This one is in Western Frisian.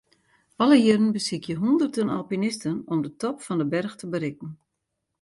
Alle jierren besykje hûnderten alpinisten om de top fan 'e berch te berikken.